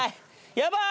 やばい！